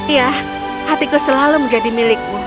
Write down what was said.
iya hatiku selalu menjadi milikmu